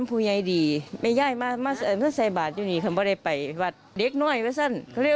อุ่มมาเป็นไพรสัน